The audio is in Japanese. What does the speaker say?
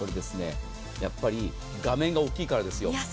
やっぱり画面が大きいからですよ。